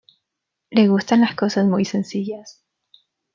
Le gustan las cosas muy sencillas.